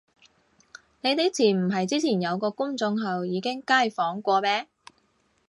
呢啲詞唔係之前有個公眾號已經街訪過咩